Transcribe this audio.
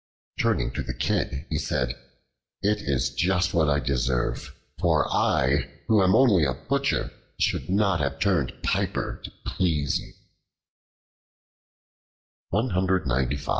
Turning to the Kid, he said, "It is just what I deserve; for I, who am only a butcher, should not have turned piper to please you."